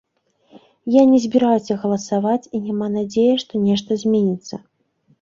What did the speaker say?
Я не збіраюся галасаваць і няма надзеі, што нешта зменіцца.